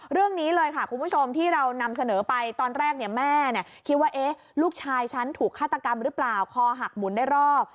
เรื่องนี้เลยค่ะคุณผู้ชมที่เรานำเสนอไปตอนแรกเนี่ยแม่คิดว่าลูกชายฉันถูกฆาตกรรมหรือเปล่าคอหักหมุนได้รอบ